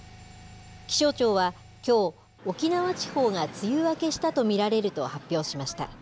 気象庁は、きょう、沖縄地方が梅雨明けしたと見られると発表しました。